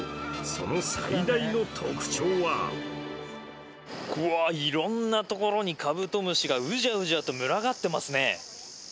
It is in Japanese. その最大の特徴はいろんな所にカブトムシがうじゃうじゃと群がってますね。